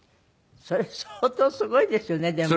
それ相当すごいですよねでも。